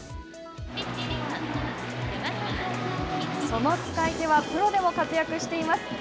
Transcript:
その使い手はプロでも活躍しています。